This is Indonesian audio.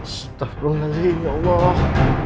astaghfirullahaladzim ya allah